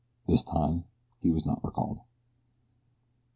This time he was not recalled.